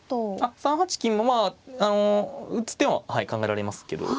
３八金もまああの打つ手も考えられますけど。